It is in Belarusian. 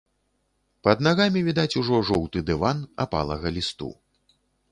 Пад нагамі відаць ужо жоўты дыван апалага лісту.